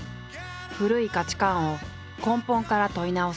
古い価値観を根本から問い直す。